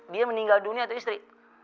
dia meninggal dunia atau istri